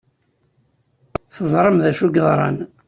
Teẓram d acu ay yeḍran.